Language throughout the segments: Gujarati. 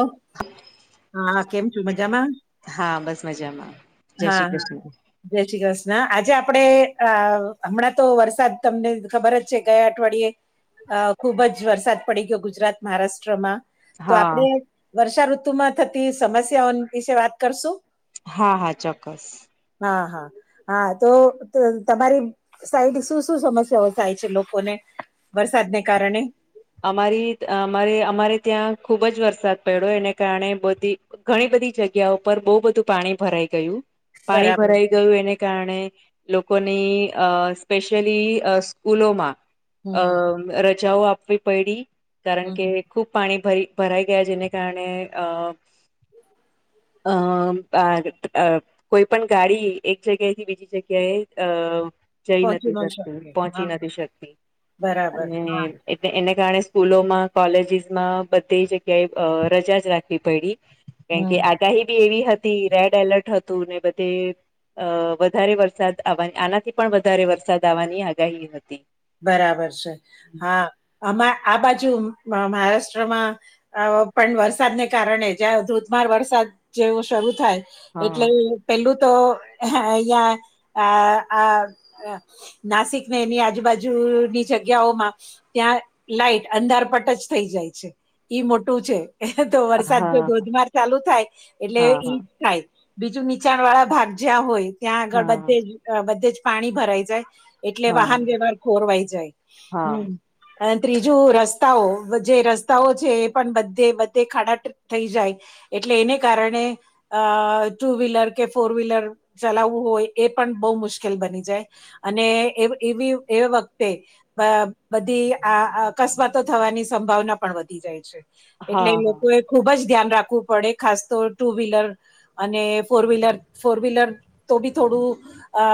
અહ હા કેમ છો મજામાં? હા બસ મજામાં જય હા શ્રી હા કૃષ્ણ જય શ્રી કૃષ્ણ આજે આપડે અહ હમણાં તો વરસાદ તમને ખબર જ છે ગયા અઠવાડયે અહ ખુબ જ વરસાદ પડી ગયો ગુજરાત મહારાષ્ટ્રમાં. તો હા આપણે વર્ષાઋતુમાં થતી સમસ્યાઓન વિશે વાત કરશું? હા હા ચોક્કસ હા હા હા તો ત તમારી સાઈડ શું શું સમસ્યાઓ થાય છે લોકોને વરસાદને કારણે અમારી અમારે અમારે ત્યાં ખુબ જ વરસાદ પડ્યો એને કારણે બધી ઘણી બધી જગ્યા ઉપર બહુ બધું પાણી ભરાઈ ગયું પાણી બરાબર ભરાઈ ગયું એને કારણે લોકોની અહ સ્પેશિયલી સ્કૂલોમાં હમ અહ રજાઓ આપવી પયડી કારણ હમ કે ખૂબ પાણી ભય ભરાઈ ગયા જેને કારણે અહ હ [unintelligible] અહ આ અહ કોઈ પણ ગાડી એક જગ્યા એથી બીજી જગ્યાએ અહ જઈ પહોંચી નથી ન શકતી શકે હા પોહોંચી હા. નથી શકતી બરાબર અને હા ને એને કારણે સ્કૂલોમાં કોલેજીસમાં બધી જગ્યાએ અહ રજા જ રાખવી પયડી કેમ હમ કે આગાહી બી એવી હતી રેડ એલર્ટ હતું ને બધે અહ વધારે વરસાદ આવવા આનાથી પણ વધારે વરસાદ આવવાની આગાહી હતી બરાબર છે હા આમાં આ બાજુ મ મહારાષ્ટ્રમાં અહ પણ વરસાદને કારણે જ્યાં ધોધમાર વરસાદ જેવો શરૂ થાય એટલે હા પેલું તો અહિયાં આ આ નાસિક ને એની આજુબાજુની જગ્યાઓમાં ત્યાં લાઈટ અંધારપટ જ થઈ જાય છે ઈ મોટું છે એતો વરસાદ જો હા ધોધમાર ચાલુ થાય એટલે હા ઈજ થાય બીજું નીચાણ વાળા ભાગ જ્યાં હોય ત્યાં આગળ હા હા બધે જ બધે જ પાણી ભરાઈ જાય એટલે હા વાહન વ્યવહાર ખોરવાઈ જાય હા હમ ત્રીજું રસ્તાઓ જે રસ્તાઓ છે એ પણ બધે બધે ખાડાટ થઈ જાય એટલે એને કારણે અ ટુ વ્હીલર કે ફોર વ્હીલર ચલાવવું હોય એ પણ બહુ મુશ્કેલ બની જાય અને એવી એવી એ વખતે અ બધી આ અકસ્માતો થવાની સંભાવના પણ વધી જાય છે. હા એટલે હા લોકોએ ખુબ જ ધ્યાન રાખવું પડે ખાસ તો ટુ વ્હીલર અને ફોર વ્હીલર ફોર વ્હીલર તો બી થોડું અ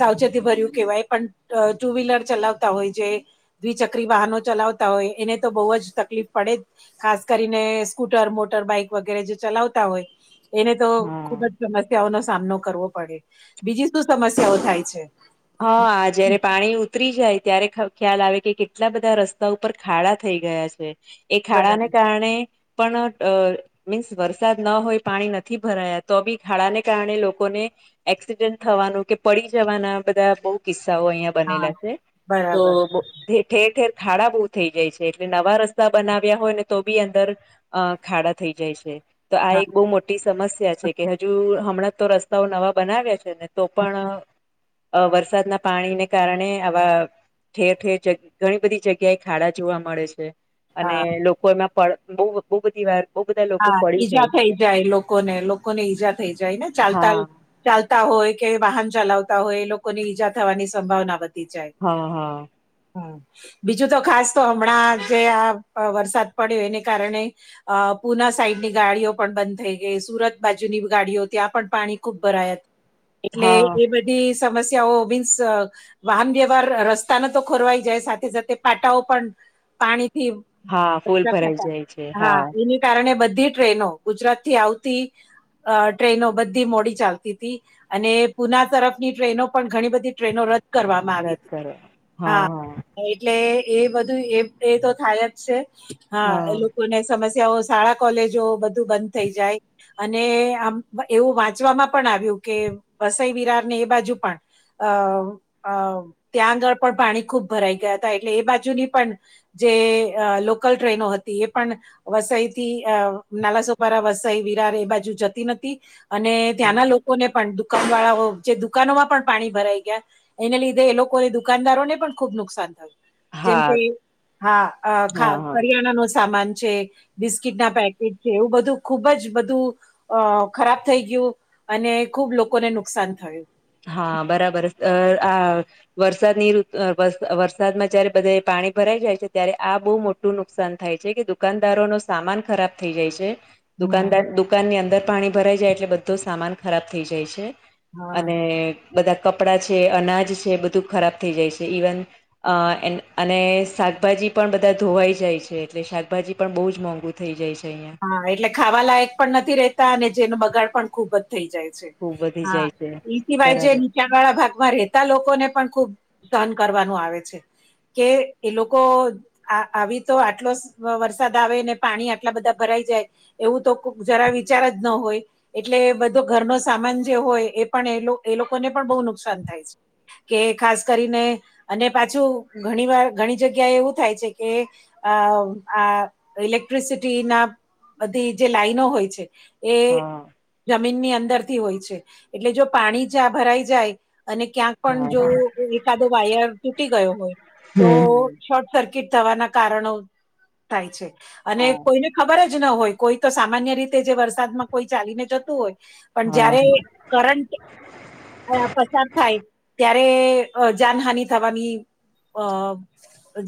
સાવચેતી ભર્યું કેહેવાય પણ અ ટુ વ્હીલર ચલાવતા હોય છે જે દ્વિચક્રી વાહનો ચલાવતા હોય એને તો બહુ જ તકલીફ પડે ખાસ કરીને સ્કૂટર મોટર બાઈક વગેરે જે ચલાવતા હોય એને તો ખુબ હા જ સમસ્યાઓનો સામનો કરવો પડે બીજી શું સમસ્યાઓ થાય છે. હા જયારે પાણી ઉતરી જાય ત્યારે ખબર ખ્યાલ આવે કે કેટલા બધા રસ્તા ઉપર ખાડા થઈ ગયા છે એ ખાડાને બરાબર કારણે પણ અ [unintelligible] મીન્સ વરસાદ ન હોય પાણી નથી ભરાયા તો બી ખાડાને કારણે લોકોને એક્સિડેન્ટ થવાનું કે પડી જવાના બધા બઉ કિસ્સાઓ અહિયાં હા બનેલા છે તો બરાબર ઠેર ઠેર ખાડા બહુ થઈ જાય છે એટલે નવા રસ્તા બનાવ્યા હોય ને તો બી અંદર અ ખાડા થઈ જાય છે તો આ હા એક બહુ મોટા મોટી સમસ્યા છે કે હજુ હમણાં તો રસ્તાઓ નવા બનાવ્યા છે ને તો પણ અ વરસાદના પાણીને કારણે આવા ઠેર ઠેર જ ઘણી બધી જગ્યાએ ખાડા જોવા મળે છે. અને હા લોકોના પર બહું બો બધી વાર બહુ બધા લોકો હા પડી ઈજા થઈ છે જાય લોકોને લોકોને ઈજા થઈ જાય ને ચાલતાલ હા ચાલતા હોય કે વાહન ચલાવતા હોય એ લોકોની ઈજા થવાની સંભાવના વધી જાય હા હા. હા. બીજું તો ખાસ તો હમણાં જે આ અ વરસાદ પડ્યો એને કારણે અ પુના સાઈડ ની ગાડીઓ પણ બંધ થઈ ગઈ સુરત બાજુની ગાડીઓ ત્યાં પણ પાણી ખુબ ભરાયા એટલે હા એ બધી સમસ્યાઓ મિન્સ. વાહન વ્યવહાર રસ્તાને તો ખોરવાઈ જાય સાથે સાથે પાટાઓ પણ પાણીથી હા ફૂલ ભરાઈ જાય છે [unintelligible] હા એની કારણે બધી ટ્રેનો ગુજરાત થી આવતી. અ ટ્રેનો બધી મોડી ચાલતી તી અને પુના તરફની ટ્રેનો પણ ઘણી બધી ટ્રેનો રદ કરવામાં આવી હતી હા એટલે એ બધું એ એ તો થાય જ છે હા એ લોકોને સમસ્યાઓ શાળા કોલેજો બધું બંધ થઇ જાય. અને આમ એવું વાંચવામાં પણ આવ્યું કે વસઈ વિરાર ને એ બાજુ પણ અ અ ત્યાં આગળ પણ પાણી ખૂબ ભરાઈ ગયા હતા એટલે એ બાજુની પણ જે અ લોકલ ટ્રેનો હતી એ પણ વસઈ થી અ નાલાસોપારા વસાઈ વિરાર એ બાજુ જતી નથી. અને હા ત્યાંના લોકોને પણ દુકાન વાળાઓ જે દુકાનો માં પણ પાણી ભરાઈ ગયા. એને લીધે એ લોકોને દુકાનદારો ને પણ ખુબ નુકસાન થયું જેમ હા કે હા આ ખા હા હા કરિયાણા નો સામાન છે. બિસ્કીટ ના પેકેટ છે, એવું બધું ખુબ જ બધું અ ખરાબ થઈ ગયું અને ખુબ લોકોને નુકસાન થયું હા બરાબર અ આ વરસાદનીઋત વર વરસાદમાં જયારે બધા પાણી ભરાઈ જાય છે, ત્યારે આ બો મો ટું નુકસાન થાય છે, કે દુકાનદારો નો સામાન ખરાબ થઈ જાય છે. હમ દુકાનદાર દુકાનની અંદર પાણી ભરાઈ જાય એટલે બધો સામાન ખરાબ થઈ જાય છે. હા અને બધા કપડા છે, અનાજ છે, બધું ખરાબ થઈ જાય છે, ઈવન અ અને શાકભાજી પણ બધા ધોવાઈ જાય છે, એટલે શાકભાજી પણ બો જ મોંઘુ થઈ જાય છે, અહીંયા હા એટલે ખાવા લાયક પણ નથી રેતા અને જેનો બગાડ પણ ખુબ જ થઇ જાય છે, ખુબ વધી હા જાય છે બરાબર [unintelligible] વાળા ભાગમાં રહેતા લોકોને પણ ખુબ ધહન કરવાનું આવે છે. કે એ લોકો આ આવી તો આટલો વરસાદ આવે ને પાણી આટલા બધા ભરાઈ જાય એવું તો જરા વિચાર જ ન હોય. એટલે બધો ઘરનો સામાન જે હોય એ પણ એ એ લોકોને પણ બો નુકસાન થાય છે. કે ખાસ કરીને અને પાછું ઘણી વાર ઘણી જગ્યાએ એવું થાય છે, કે અ આ ઇલેક્ટ્રિસિટી ના બધી જે લાઈનો હોય છે, એ હા જમીનની અંદર થી હોય છે, એટલે જો પાણી જ્યાં ભરાઈ જાય અને ક્યાં પણ જો હા એકાદો વાયર તૂટી ગયો હોય તો હમ શોર્ટ સર્કિટ થવાના કારણો થાય છે, અને હા કોઈને ખબર જ ન હોય કોઈ તો સામાન્ય રીતે જે વરસાદમાં કોઈ ચાલીને જતું હોય પણ હા જયારે કરન્ટ [unintelligible] પસાર થાય ત્યારે જાનહાની થવાની અ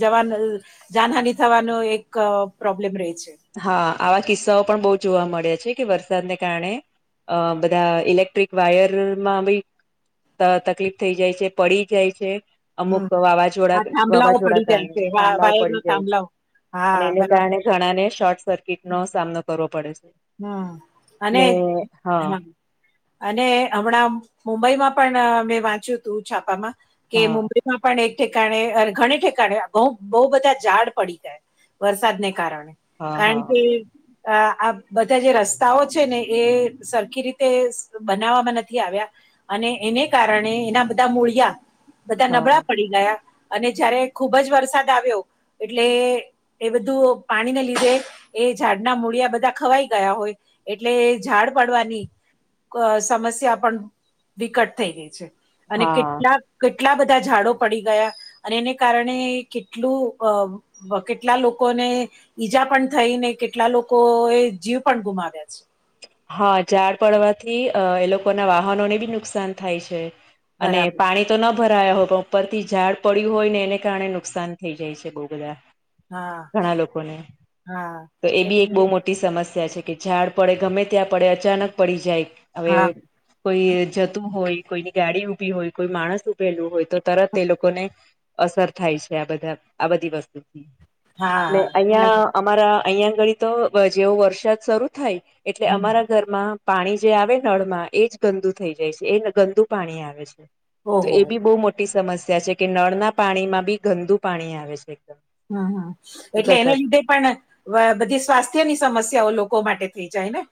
જવાનું જાનહાની થવાનો એક પ્રોબ્લેમ રેય છે. હ આવા કિસ્સાઓ પણ બો જોવા મળે છે, કેે વરસાદને કારણે અ બધા ઇલેક્ટ્રિક વાયરમાં બી ત તકલીફ થઈ જાય છે, પડી જાય છે. અમુક હમ વાવાઝોડા આ થાંભલાઓ વાવાઝોડા પડી જાય કારણે છે વા થંભલાઓ વાયર પડી ના જાય છે. થાંભલાઓ અને હા એને બરાબર. કારણે ઘણાને શોર્ટ સર્કિટનો સામનો કરવો પડે છે. હ અને ને હા. અને હમણાં મુંબઈમાં પણ મેં વાંચ્યું તું છાપામાં કે હા મુંબઈ માં પણ એક ઠેકાણે ઘણી ઠેકાણે બ બો બધા ઝાડ પડી ગયા વરસાદને કારણે હા હા કારણ કે આ આ બધા જે રસ્તાઓ છે, ને એ સરખી રીતે બનાવવામાં નથી આવ્યા અને એને કારણે એના બધા મૂળિયા બધા હા નબળા પડી ગયા અને જયારે ખુબ જ વરસાદ આવ્યો એટલે એ બધું પાણીને લીધે એ ઝાડના મૂળિયા બધા ખવાઈ ગયા હોય એટલે ઝાડ પડવાની અ સમસ્યા પણ વિકટ થઈ ગઈ છે, અને હા કેટલાક કેટલા બધા ઝાડો પડી ગયા અને એને કારણે કેટલું અ અ કેટલા લોકોને ઈજા પણ થઈ ને કેટલા લોકો એ જીવ પણ ગુમાવ્યા છે. હા ઝાડ પડવાથી અ એ લોકોના વાહનોને બી નુકસાન થાય છે. અને બરાબર પાણી તો ના ભરાયા હોય પણ ઉપરથી ઝાડ પડ્યું હોય ને એને કારણે નુકસાન થઈ જાય છે બહું બધા. હા ઘણા લોકોને હા તો એ બી એક એટલે બહું મોટી મોટી સમસ્યા છે કે ઝાડ પડે ગમે ત્યાં પડે અચાનક પડી જાય હવે. હા કોઈ જતું હોય કોઈની ગાડી ઉભી હોય કોઈ માણસ ઉભેલું હોય તો તરત તે લોકોને અસર થાય છે આ બધા આ બધી વસ્તુથી. હા ને હા બરાબર અહિયાં અમારા અહિયાં આગળી તો જેવો વરસાદ શરૂ થાય એટલે હમ. અમારા ઘરમાં પાણી જે આવે નળમાં એજ ગંદુ થઈ જાય છે એ ગંદુ પાણી આવે છે. તો ઓહો એ બી બહુ મોટી સમસ્યા છે કે નળના પાણીમાં બી ગંદુ પાણી આવે છે. એકદમ હ હ એટલે એના ગટરનું લીધે પણ વ બધી સ્વાસ્થ્યની સમસ્યાઓ લોકો માટે થઈ જાય ને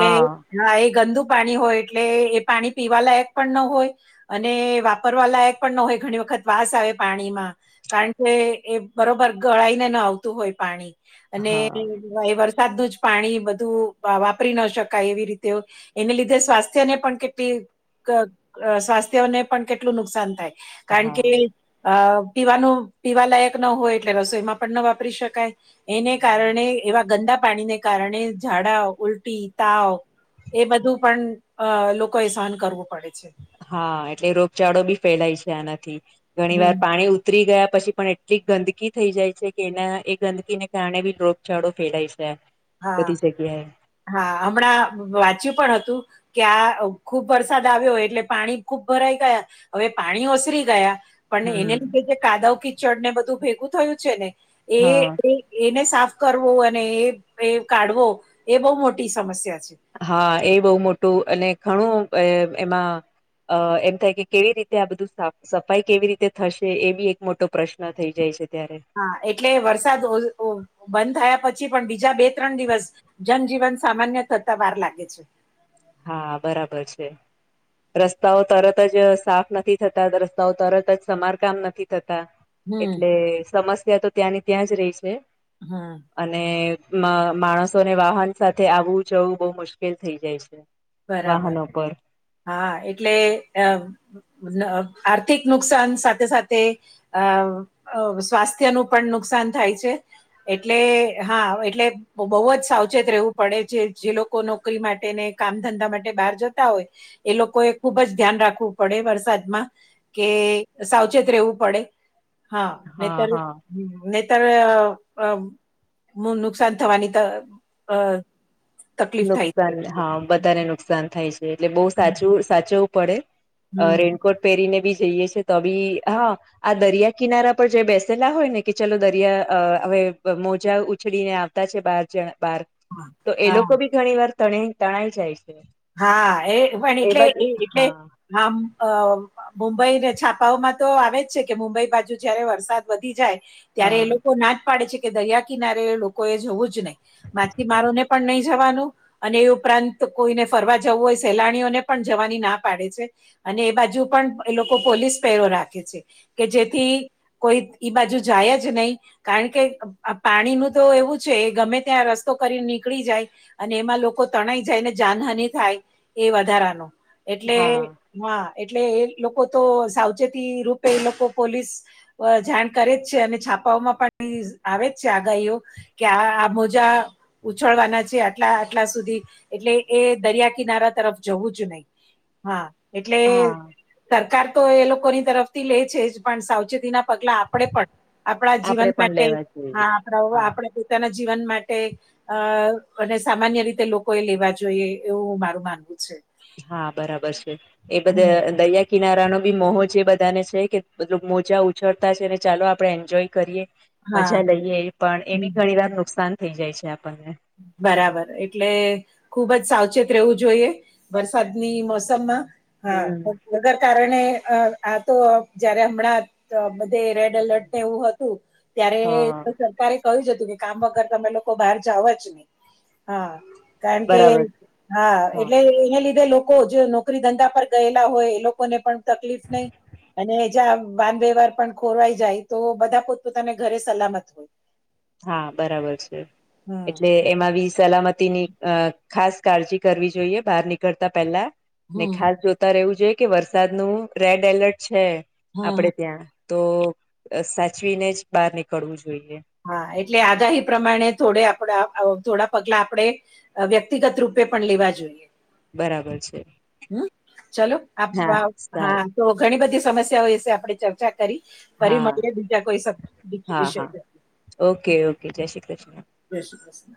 કે હા એ ગંદુ પાણી હોય એટલે એ પાણી પીવાલાયક પણ ન હોય. અને વાપરવા લાયક પણ ન હોય ઘણી વખત વાસ આવે પાણીમાં કારણ કે એ બરોબર ગળાઈને ન આવતું હોય પાણી અને હા એ વરસાદનું જ પાણી બધું વાપરી ન શકાય એવી રીતે એને લીધે સ્વાસ્થ્યને પણ કેટલી અ સ્વાસ્થ્યને પણ કેટલું નુકસાન થાય. કારણ કે હા અ પીવાનું પીવા લાયક ન હોય એટલે રસોઈમાં પણ ન વાપરી શકાય. એને કારણે એવા ગંદા પાણીને કારણે ઝાડા, ઉલટી, તાવ એ બધું પણ અ લોકોએ સહન કરવું પડે છે. હા એટલે રોગચાળો બી ફેલાય છે આનાથી ઘણી હમ વાર પાણી ઉતરી ગયા પછી પણ એટલી ગંદકી થઈ જાય છે કે એના એ ગંદકીને કારણે બી રોગચાળો ફેલાય છે. બધી જગ્યાએ હા-હા હમણાં વાંચ્યું પણ હતું. કે આ ખુબ વરસાદ આવ્યો એટલે પાણી ખુબ ભરાઈ ગયા હવે પાણી ઓસરી ગયા. પણને એને હમ લીધે જે કાદવ કિચડ ને બધું ભેગું થયું છે ને હા એ એને સાફ કરવો અને એ એ કાઢવો એ બહું મોટી સમસ્યા છે. હા એ બહુ મોટું અને ઘણું એ એમાં અ એમ થાય કે કેવી રીતે આ બધું સાફ સફાઈ કેવી રીતે થશે એ બી એક મોટો પ્રશ્ન ન થઈ જાય છે ત્યારે. હા એટલે વરસાદ બંધ બંધ થયા પછી પણ બીજા બે ત્રણ દિવસ જનજીવન સામાન્ય થતા વાર લાગે છે. હા બરાબર છે. રસ્તાઓ તરત જ સાફ નથી થતા રસ્તાઓ તરત જ સમારકામ નથી થતા. હમ એટલે સમસ્યા તો ત્યાંની ત્યાં જ રહી છે. હા. અને મ માણસોને વાહન સાથે આવવું જવું બહુ મુશ્કેલ થઇ જાય છે. બરાબર વાહનો પર હા એટલે અ અ આર્થિક નુકસાન સાથે-સાથે અ સ્વાસ્થ્યનું પણ નુકસાન થાય છે. એટલે હા એટલે બહુ જ સાવચેત રહેવું પડે છે જે લોકો નોકરી માટેને કામ ધંધા માટે બહાર જતા હોય એ લોકોએ ખુબ જ ધ્યાન રાખવું પડે વરસાદમાં કે સાવચેત રહેવું પડે હા નનેતર હ નહીતર હું નુકસાન થવાની ત તકલીફ થાય નુકસાન છે. હા બધાને નુકસાન થાય છે એટલે બહુ સાચું સાચવવું પડે. હમ રેનકોટ પહેરીને બી જઈએ છે તો બી હા આ દરિયા કિનારા પર જે બેસેલા હોય ને કે ચલો દરિયા હવે મોજા ઉછળીને છે બાર જણ બાર હા તો એ હા. લોકો ઘણી વાર તણા તણાઈ જાય છે. હા એ પણ એટલે એવા એ જ એટલે હા હ મુંબઈને છાપાઓમાં તો આવે જ છે કે મુંબઈ બાજુ જયારે વરસાદ વધી જાય ત્યારે હા એ લોકો ના જ પાડે છે કે દરિયા કિનારે લોકો એ જવું જ નહીં. માછીમારોને પણ નહી જવાનું અને એ ઉપરાંત કોઈને ફરવા જવું હોય સેલાણીઓને પણ જવાની ના પાડે છે. અને એ બાજુ પણ એ લોકો પોલીસ પહેરો રાખે છે કે જેથી કોઈ ઈ બાજુ જાય જ નય. કારણ કે પાણીનું તો એવું છે ગમે ત્યાં રસ્તો કરી નીકળી જાય. અને એમાં લોકો તણાઈ જાય ને જાનહાની થાય એ વધારાનો એટલે હા હા એટલે એ લોકો તો સાવચેતી રૂપે એ લોકો પોલીસ જાણ કરે જ છે અને છાપાઓમાં પણ આવે જ છે આગાહીઓ કે આ આ મોજા ઉછળવાના છે આટલા આટલા સુધી એટલે એ દરિયા કિનારા તરફ જવું છું નહી હા એટલે હા સરકાર તો એ લોકોની તરફથી લે છે જ પણ સાવચેતી ના પગલા આપણે પણ આપણા આપડે જીવન માટે પણ લેવા જોઈએ હા આપણા હા આપણે પોતાના જીવન માટે અ અને સામાન્ય રીતે લોકો એ લેવા જોઈએ. એવું મારું માનવું છે. હા બરાબર છે એ હમ બધા દરિયા કિનારાનો બી મોજ જે બધાને છે કે મલબ મોજા ઉછળતા છે ને ચાલો આપડણે એન્જોય કરીએ. હા મજા લઈએ પણ એ હમ બી ઘણી વાર નુકસાન થઈ જાય છે આપણને બરાબર એટલે ખુબ જ સાવચેત રહેવું જોઈએ. વરસાદની મોસમમાં હા હમ વગર કારણે આ તો જયારે હમણાં તો બધે રેડ એલર્ટ ને એવું હતું. ત્યારે હા સરકારે કહ્યું જ હતું કે કામ વગર તમે લોકો બહાર જાવ જ હા કારણ કે બરાબર છે હા એટલે એને લીધે લોકો લોકો જે નોકરી ધંધા પર ગયેલા હોય એ લોકોને પણ તકલીફ નહી. અને જ્યાં વાન વ્યવહર પણ ખોરવાઈ જાય તો બધા પોતપોતાના ઘરે સલામત હોય. હા બરાબર છે એટલે હમ એમાંબી સલા સલામતી ની અ ખાસ કાળજી કરવી જોઈએ બહાર નીકળતા પહેલા ને હમ ખાસ જો. જોતા રેહવું જોઇએ કે વરસાદનું રેડ એલર્ટ છે હા, આપડે હા. ત્યાં તો સાચવીને જ બહાર નીકળવું જોઈએ. હા એટલે આગાહી પ્રમાણે થોડે આપણા થોડા પગલા આપણેે વ્યક્તિગત રૂપે પણ લેવા જોઈએ. બરાબર છે હમ ચલો હા [unintelligible] સારું હા. તો ઘણી બધી સમસ્યાઓ વિશે આપણે ચર્ચા કરી ફરી હા મળીએ બીજા કોઈ સ હા વિષય હા [unintelligible] ઓકે ઓકે જય શ્રી કૃષ્ણ. જય શ્રી કૃષ્ણ.